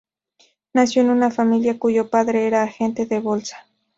Nació en una familia cuyo padre era agente de bolsa.